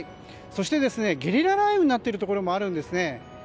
そして、ゲリラ雷雨になっているところもあるんですね。